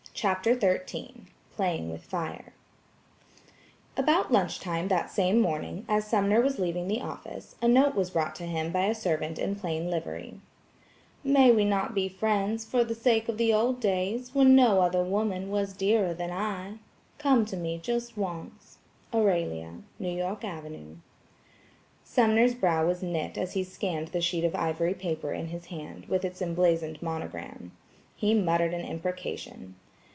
CHAPTER XIII PLAYING WITH FIRE About lunch time that same morning, as Sumner was leaving the office, a note was brought to him by a servant in plain livery: "May we not be friends for the sake of the old days, when no other woman was dearer than I? Come to me just once." Aurelia. New York Avenue. Sumner's brow was knit as he scanned the sheet of ivory paper in his hand, with its emblazoned monogram. He muttered an imprecation.